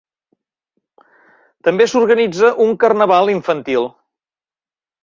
També s'organitza un carnaval infantil.